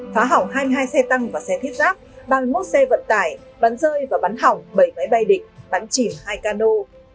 phá hỏng hai mươi hai xe tăng và xe thiết giáp ba mươi một xe vận tải bắn rơi và bắn hỏng bảy máy bay địch bắn chìm hai cano